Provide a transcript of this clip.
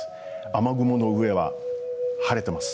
雨雲の上は晴れています。